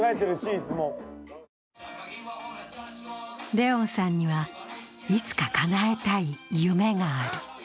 怜音さんには、いつかかなえたい夢がある。